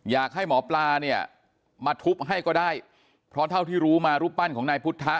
อยากให้หมอปลาเนี่ยมาทุบให้ก็ได้เพราะเท่าที่รู้มารูปปั้นของนายพุทธะ